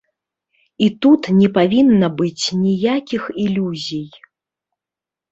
І тут не павінна быць ніякіх ілюзій.